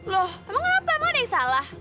loh emang apa mana yang salah